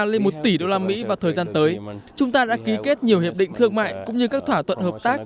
lên một tỷ đô la mỹ vào thời gian tới chúng ta đã ký kết nhiều hiệp định thương mại cũng như các thỏa thuận hợp tác